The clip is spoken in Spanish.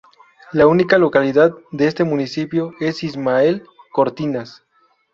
La única localidad de este municipio es Ismael Cortinas.